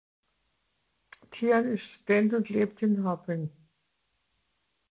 Tian ist Student und lebt in Harbin.